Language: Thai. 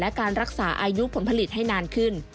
และการรักษาอายุผลผลิตให้นานขึ้น